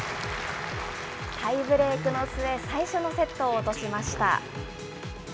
タイブレークの末、最初のセットを落としました。